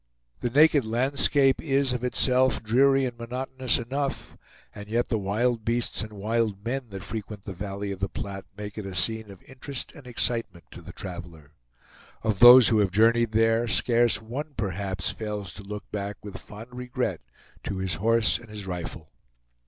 The naked landscape is, of itself, dreary and monotonous enough, and yet the wild beasts and wild men that frequent the valley of the Platte make it a scene of interest and excitement to the traveler. Of those who have journeyed there, scarce one, perhaps, fails to look back with fond regret to his horse and his rifle.